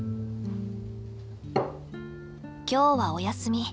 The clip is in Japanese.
今日はお休み。